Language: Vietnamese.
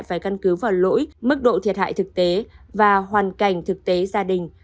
phải căn cứ vào lỗi mức độ thiệt hại thực tế và hoàn cảnh thực tế gia đình